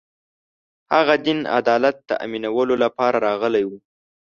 هغه دین عدالت تأمینولو لپاره راغلی و